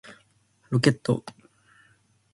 ロケット